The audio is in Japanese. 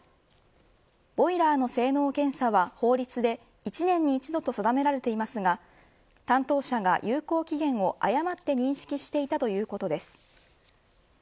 ボイラーの性能検査は法律で、１年に１度と定められていますが担当者が有効期限を誤って認識していたということです。